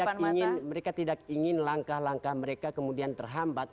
dan untuk itu semua mereka tidak ingin langkah langkah mereka kemudian terhambat